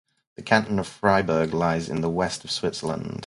The canton of Fribourg lies in the west of Switzerland.